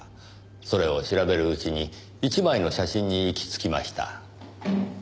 それを調べるうちに１枚の写真に行き着きました。